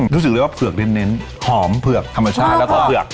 รู้สึกเลยว่าเผือกเน้นหอมเผือก